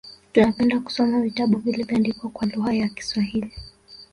Tunapenda kusoma vitabu vilivyoandikwa kwa lugha ya Kiswahili